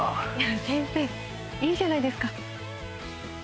先生いいじゃないですか。